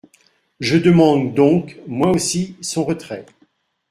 Je demande donc, moi aussi, son retrait.